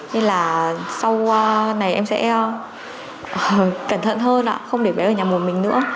nên là sau này em sẽ cẩn thận hơn không để bé ở nhà một mình nữa